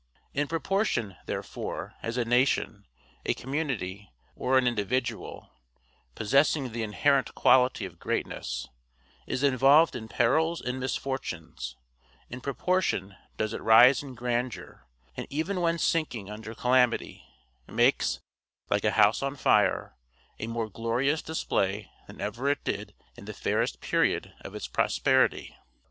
In proportion, therefore, as a nation, a community, or an individual (possessing the inherent quality of greatness) is involved in perils and misfortunes, in proportion does it rise in grandeur; and even when sinking under calamity, makes, like a house on fire, a more glorious display than ever it did in the fairest period of its prosperity.